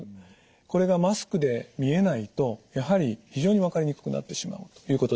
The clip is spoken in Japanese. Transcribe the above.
これがマスクで見えないとやはり非常に分かりにくくなってしまうということです。